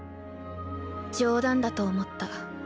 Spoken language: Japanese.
冗談だと思った。